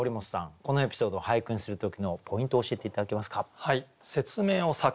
このエピソードを俳句にする時のポイントを教えて頂けますか。